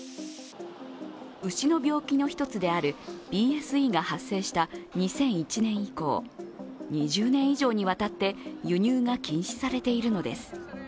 牛の病気の１つであるＢＳＥが発生した２００１年以降、２０年以上にわたって輸入が禁止されているのです。